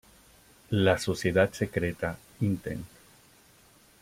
La Sociedad Secreta intent.